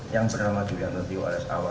yang bernama julianto tio alias ahwa